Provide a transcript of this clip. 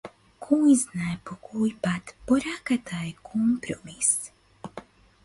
Којзнае по кој пат пораката е компромис.